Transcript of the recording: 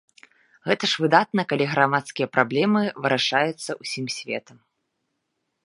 Гэта ж выдатна, калі грамадскія праблемы вырашаюцца ўсім светам!